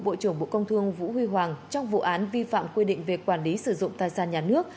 bộ trưởng bộ công thương vũ huy hoàng trong vụ án vi phạm quy định về quản lý sử dụng tài sản nhà nước